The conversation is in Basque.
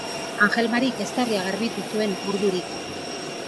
Anjelmarik eztarria garbitu zuen urduri.